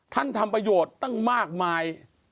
ทำประโยชน์ตั้งมากมาย